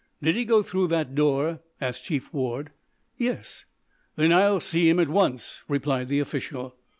"Did he go through that door?" asked Chief Ward. "Yes." "Then I'll see him at once," replied the official.